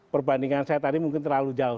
perbandingan saya tadi mungkin terlalu jauh